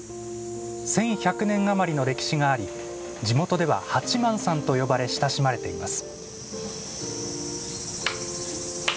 １１００年あまりの歴史があり地元では「はちまんさん」と呼ばれ親しまれています。